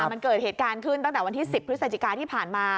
มันเกิดเหตุการณ์ขึ้นตั้งแต่วันที่๑๐พฤศจิกาที่ผ่านมา